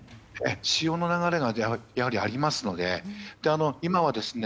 潮の流れがやはりありますので。